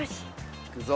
行くぞ。